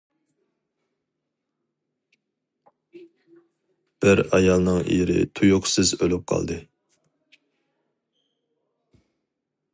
بىر ئايالنىڭ ئېرى تۇيۇقسىز ئۆلۈپ قالدى.